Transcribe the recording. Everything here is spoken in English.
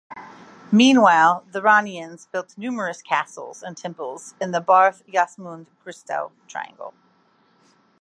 Meanwhile, the Ranians built numerous castles and temples in the Barth-Jasmund-Gristow triangle.